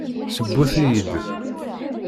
Sewwet-iyi-d.